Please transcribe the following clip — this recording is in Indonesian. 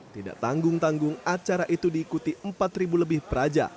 tidak tanggung tanggung acara itu diikuti empat lebih praja